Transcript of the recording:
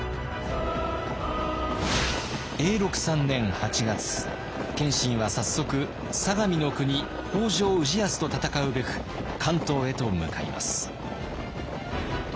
永禄３年８月謙信は早速相模国北条氏康と戦うべく関東へと向かいます。